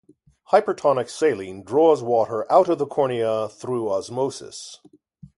Hypertonic saline draws water out of the cornea through osmosis.